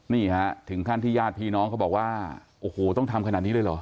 นี่ฮะถึงขั้นที่ญาติพี่น้องเขาบอกว่าโอ้โหต้องทำขนาดนี้เลยเหรอ